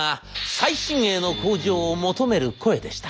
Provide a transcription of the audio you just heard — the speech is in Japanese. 最新鋭の工場を求める声でした。